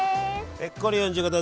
ぺっこり４５度。